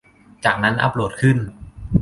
จากนั้นอัปโหลดขึ้น